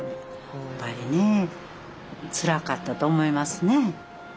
やっぱりねつらかったと思いますね。